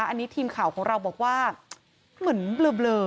อันนี้ทีมข่าวของเราบอกว่าเหมือนเบลอ